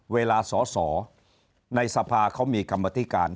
เวลาสอสอในสภาเขามีกรรมธิการ